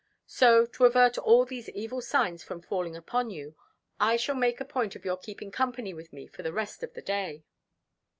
So, to avert all these evil signs from falling upon you, I shall make a point of your keeping company with me for the rest of the day."